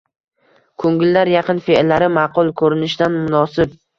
Ko`ngillar yaqin, fe`llari ma`qul, ko`rinishdan munosib